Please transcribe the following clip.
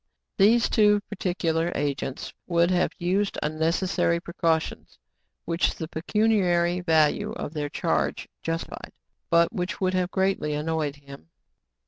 These too particular agents would have used unnecessary precautions, which the pecuniary value of their charge justified, but which would have greatly annoyed him.